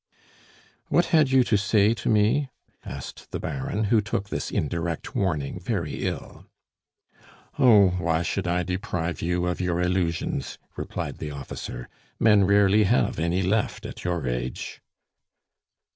"What had you to say to me?" asked the Baron, who took this indirect warning very ill. "Oh! why should I deprive you of your illusions?" replied the officer. "Men rarely have any left at your age!"